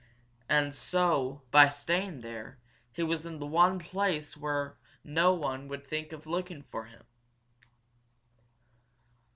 And so, by staying there, he was in the one place where on one would think of looking for him!